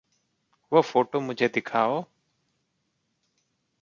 वह फ़ोटो मुझे दिखाओ।